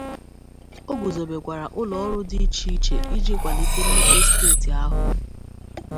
O guzobekwara ụlọọrụ dị iche iche iji kwalite mmepe steeti ahụ